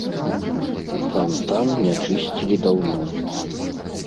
Фантан не чысцілі даўно.